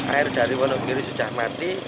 air dari wonogiri sudah mati